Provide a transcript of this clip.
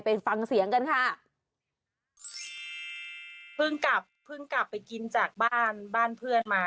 ไปฟังเสียงกันค่ะเพิ่งกลับเพิ่งกลับไปกินจากบ้านบ้านเพื่อนมา